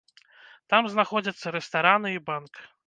Там знаходзяцца рэстараны і банк.